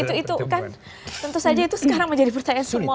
tentu saja itu sekarang menjadi pertanyaan